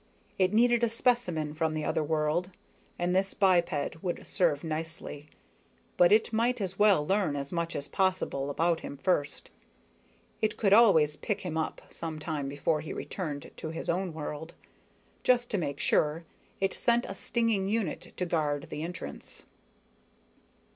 It needed a specimen from the other world, and this biped would serve nicely, but it might as well learn as much as possible about him first. It could always pick him up some time before he returned to his own world. Just to make sure, it sent a stinging unit to guard the entrance.